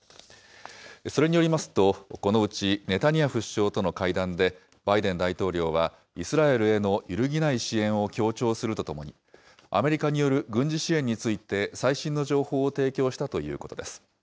それによりますと、このうちネタニヤフ首相との会談で、バイデン大統領はイスラエルへのゆるぎない支援を強調するとともに、アメリカによる軍事支援について最新の情報を提供したということです。